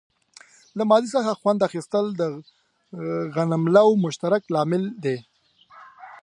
له ماضي څخه خوند اخیستل د غنملو مشترک لامل دی.